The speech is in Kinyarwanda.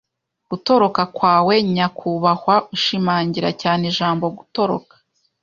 gutoroka kwawe, nyakubahwa ”- ushimangira cyane ijambo" gutoroka. "